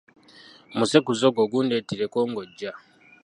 Omusekuzo ogwo gundeetereko ng’ojja.